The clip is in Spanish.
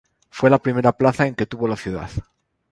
Fue la primera plaza en que tuvo la ciudad.